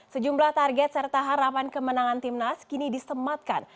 sejumlah target serta harapan kemenangan timnas kini disematkan